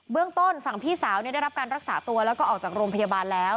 เรื่องต้นฝั่งพี่สาวได้รับการรักษาตัวแล้วก็ออกจากโรงพยาบาลแล้ว